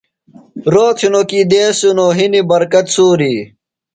روت ہِنوۡ کیۡ دیس ہِنوۡ ، ہِنیۡ برکت سُور ی